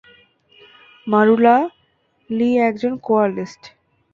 মারুলা, লি একজন কোয়ালিস্ট।